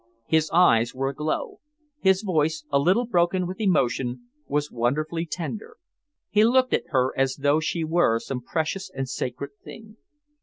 His eyes were aglow. His voice, a little broken with emotion, was wonderfully tender. He looked at her as though she were some precious and sacred thing.